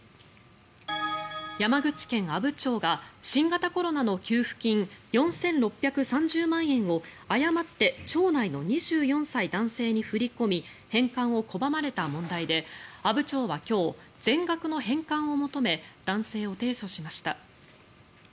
山口県阿武町が新型コロナの給付金４６３０万円を誤って町内の２４歳男性に振り込み返還を拒まれた問題で阿武町は今日全額の返還を求め男性を提訴しました。